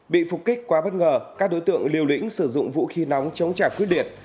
bị phục kích quá bất ngờ các đối tượng liều lĩnh sử dụng vũ khí nóng chống trả quyết liệt